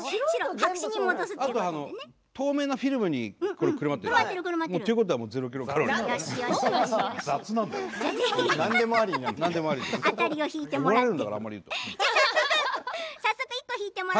あと透明なフィルムにくるまっているから。